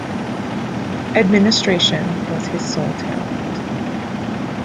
Administration was his sole talent.